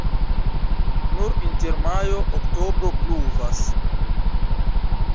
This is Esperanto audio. Nur inter majo-oktobro pluvas.